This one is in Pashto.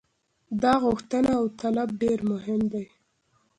دا غوښتنه او طلب ډېر مهم دی.